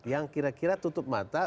yang kira kira tutup mata